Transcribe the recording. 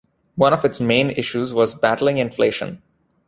One of its main issues was battling inflation.